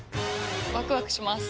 ワクワクします。